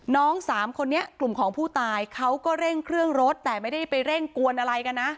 สามคนนี้กลุ่มของผู้ตายเขาก็เร่งเครื่องรถแต่ไม่ได้ไปเร่งกวนอะไรกันนะ